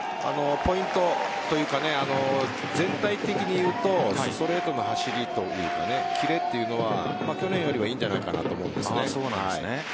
ポイントというか全体的に言うとストレートの走りというかキレというのは去年よりはいいんじゃないかと思います。